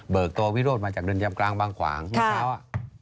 เบิกตัววิโรธมาจากเดือนเยี่ยมกลางบางขวางเมื่อเช้า